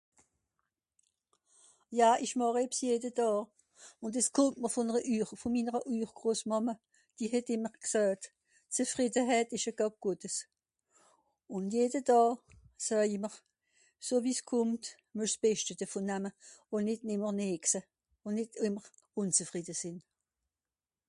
"Ja ìch màch ebbs jede Dàà, ùn dìs kùmmt mr vùn're Ühr... vùn minnere Ürgrosmàmme. Die het ìmmer gsoet ""Zefriddehet ìsch e (...) Gottes"". Ùn jede Dàà soej i mr, sowie s'kùmmt, muesch s'Beschte devùn namme, ùn nìt ìmmer (...) ùn nìt ìmmer ùnzefrìdde sìnn."